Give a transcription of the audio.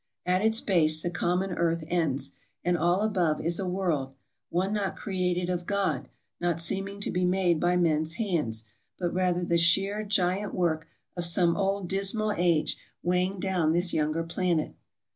At its base the common earth ends, and all above is a world — one not created of God — not seeming to be made by men's hands, but rather the sheer giant work of some old dismal age weighing down this younger planet.